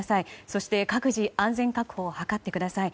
そして、各自安全確保を図ってください。